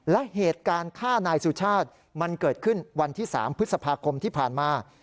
และเหตุการณ์ฆ่านายสุชาติมันเกิดขึ้นวันที่๓พฤษภาคมที่ผ่านมา